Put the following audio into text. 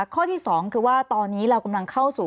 ข้อที่๒คือว่าตอนนี้เรากำลังเข้าสู่